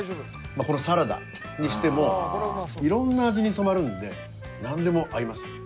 このサラダにしても色んな味に染まるんでなんでも合います。